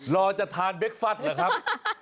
รอจะทานเบคฟัสเหรอครับ